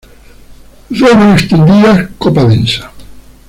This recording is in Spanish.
Ramas extendidas, copa densa.